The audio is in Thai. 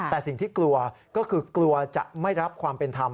แต่สิ่งที่กลัวก็คือกลัวจะไม่รับความเป็นธรรม